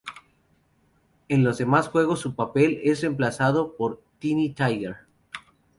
En los demás juegos su papel es reemplazado por Tiny Tiger.